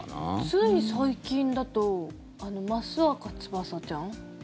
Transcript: つい最近だと益若つばさちゃん。